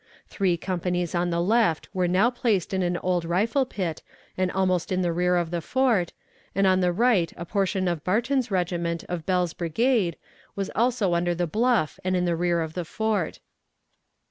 Three companies on the left were now placed in an old rifle pit and almost in the rear of the fort, and on the right a portion of Barton's regiment of Bell's brigade was also under the bluff and in the rear of the fort.